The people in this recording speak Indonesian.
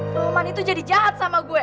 cuman itu jadi jahat sama gue